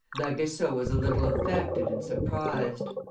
D'Aguesseau was a little affected and surprised.